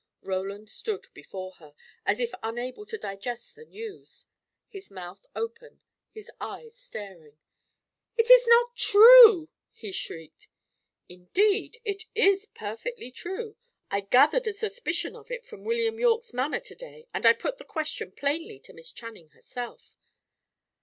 Roland stood before her, as if unable to digest the news: his mouth open, his eyes staring. "It is not true!" he shrieked. "Indeed, it is perfectly true. I gathered a suspicion of it from William Yorke's manner to day, and I put the question plainly to Miss Channing herself.